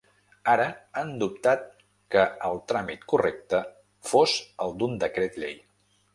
Ara, han dubtat que el tràmit correcte fos el d’un decret llei.